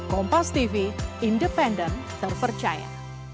kompas tv independen terpercaya